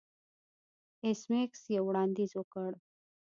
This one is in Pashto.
ایس میکس یو وړاندیز وکړ